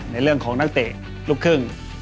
ในเรื่องของนักเตะลูกครึ่ง